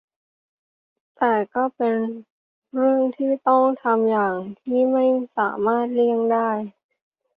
แต่ก็เป็นเรื่องที่ต้องทำอย่างที่ไม่สามารถเลี่ยงได้